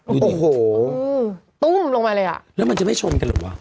ดูดีโอ้โหอืมตุ้มลงมาเลยอ่ะแล้วมันจะไม่ชนกันหรือเปล่า